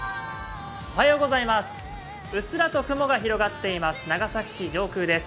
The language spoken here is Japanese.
うっすらと雲が広がっています、長崎市上空です。